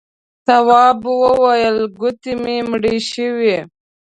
تواب وويل: گوتې مې مړې شوې.